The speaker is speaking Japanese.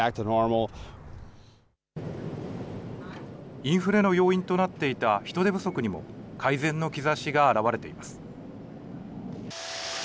インフレの要因となっていた人手不足にも改善の兆しが現れています。